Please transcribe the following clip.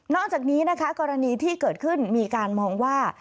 จากนี้นะคะกรณีที่เกิดขึ้นมีการมองว่า